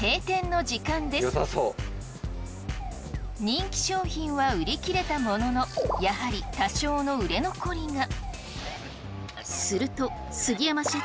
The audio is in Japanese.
人気商品は売り切れたもののやはり多少の売れ残りが。